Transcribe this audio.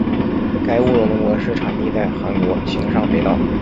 该物种的模式产地在韩国庆尚北道。